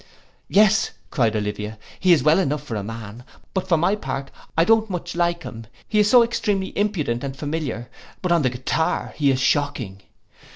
'—'Yes,' cried Olivia, 'he is well enough for a man; but for my part, I don't much like him, he is so extremely impudent and familiar; but on the guitar he is shocking.